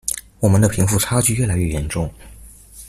我們的貧富差距越來越嚴重